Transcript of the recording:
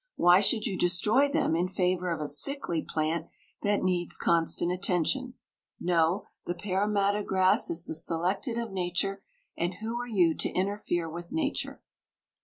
Why should you destroy them in favour of a sickly plant that needs constant attention? No. The Parramatta grass is the selected of Nature, and who are you to interfere with Nature?